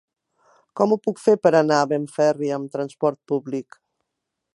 Com ho puc fer per anar a Benferri amb transport públic?